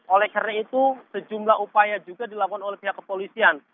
oleh karena itu sejumlah upaya juga dilakukan oleh pihak kepolisian